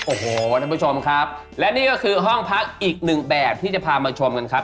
โอ้โหท่านผู้ชมครับและนี่ก็คือห้องพักอีกหนึ่งแบบที่จะพามาชมกันครับ